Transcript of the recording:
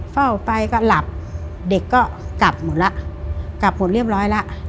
เฝ้าไปก็หลับเด็กก็กลับหมดแล้วกลับหมดเรียบร้อยแล้ว